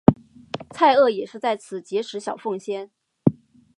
蔡锷也是在此结识小凤仙。